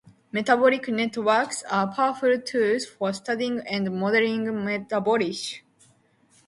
Metabolic networks are powerful tools for studying and modelling metabolism.